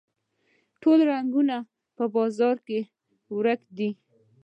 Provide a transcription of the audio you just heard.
ټوله رنګونه په بازار کې ورک دي